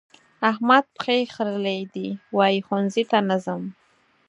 احمد پښې خرلې دي؛ وايي ښوونځي ته نه ځم.